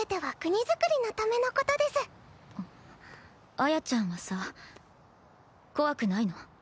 亜耶ちゃんはさ怖くないの？